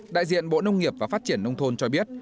đại diện bộ nông nghiệp và phát triển nông thôn cho biết